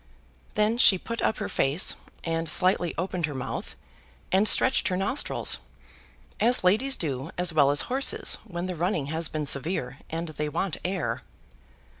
Then she put up her face, and slightly opened her mouth, and stretched her nostrils, as ladies do as well as horses when the running has been severe and they want air.